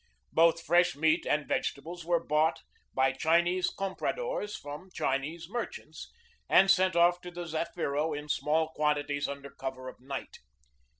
Both fresh meat and vegetables were bought by Chinese compradors from Chinese merchants, and sent off to the Zafiro in small quantities under cover of night.